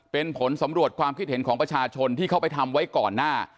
เป็นผลสำรวจความคิดเห็นของประชาชนที่เขาไปทำไว้ก่อนหน้า